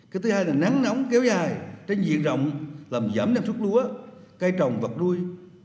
cái thứ hai là nắng nóng kéo dài trên diện rộng làm giảm năng suất lúa cây trồng vật nuôi